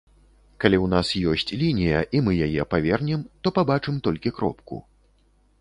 Калі ў нас ёсць лінія і мы яе павернем, то пабачым толькі кропку.